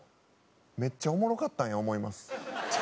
めっちゃおもろかったんや思います山内が。